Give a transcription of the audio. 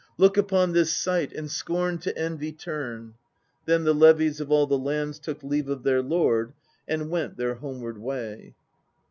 Look upon this sight And scorn to envy turn!" Then the levies of all the lands Took leave of their Lord And went their homeward way.